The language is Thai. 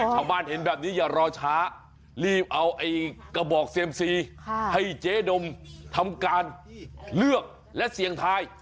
ชาวบ้านเห็นแบบนี้อย่ารอช้ารีบเอาไอ้กระบอกเซียมซีให้เจ๊ดมทำการเลือกและเสี่ยงทาย